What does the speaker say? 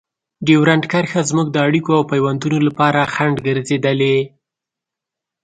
ډیورنډ کرښه زموږ د اړیکو او پيوندونو لپاره خنډ ګرځېدلې.